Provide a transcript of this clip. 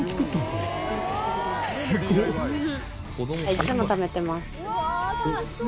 いつもためてます。